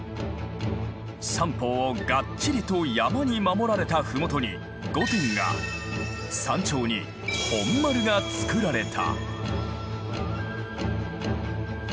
三方をがっちりと山に守られた麓に御殿が山頂に本丸が造られた。